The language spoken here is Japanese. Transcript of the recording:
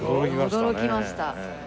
驚きましたね。